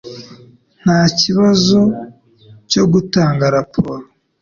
Nta kibazo cyo gutanga raporo.